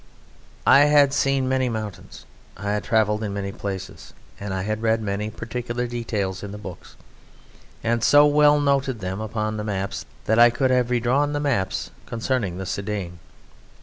I had seen many mountains, I had travelled in many places, and I had read many particular details in the books and so well noted them upon the maps that I could have re drawn the maps concerning the Cerdagne.